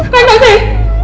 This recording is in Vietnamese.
cô ấy nói gì